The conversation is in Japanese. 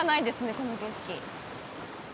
この景色